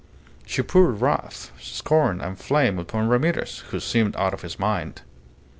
She poured wrath, scorn, and flame upon Ramirez, who seemed out of his mind.